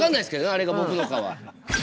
あれが僕のかは。